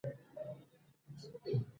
افغانستان د لمریز ځواک له امله شهرت لري.